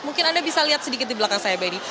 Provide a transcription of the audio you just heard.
mungkin anda bisa lihat sedikit di belakang saya benny